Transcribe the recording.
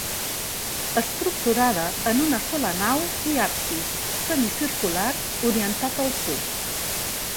Estructurada en una sola nau i absis semicircular orientat al sud.